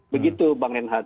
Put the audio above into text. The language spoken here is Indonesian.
begitu bang renhat